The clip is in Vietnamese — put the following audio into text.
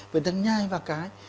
với thức nhai và cái